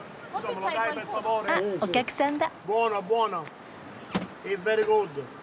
あっお客さんだ。